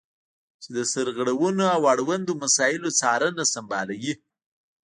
چې د سرغړونو او اړوندو مسایلو څارنه سمبالوي.